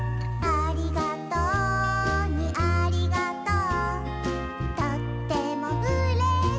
「ありがとう」「ありがとう」